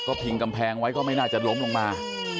พิงกำแพงไว้ก็ไม่น่าจะล้มลงมา